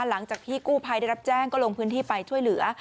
หลังจากที่กู้ภัยได้รับแจ้งก็ลงพื้นที่ไปช่วยเหลือ